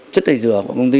chất tẩy rửa của công ty